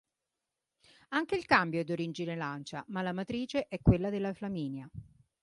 Anche il cambio è di origine Lancia, ma la matrice è quella della Flaminia.